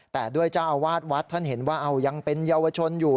แต่ด้วยเจ้าอาวาสวัดท่านเห็นว่ายังเป็นเยาวชนอยู่